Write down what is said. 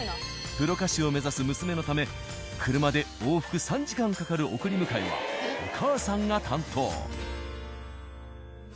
プロ歌手を目指す娘のため車で往復３時間かかる送り迎えはお母さんが担当。